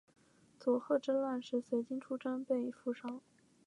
佐贺之乱时随军出征并负伤。